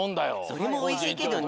それもおいしいけどね。